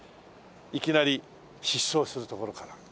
いきなり失踪するところから。